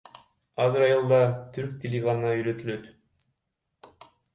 Азыр айылда түрк тили гана үйрөтүлөт.